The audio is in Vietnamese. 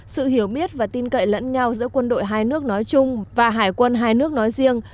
sự hiểu biết và tin cậy lẫn nhau giữa quân đội hai nước nói chung và hải quân hai nước nói riêng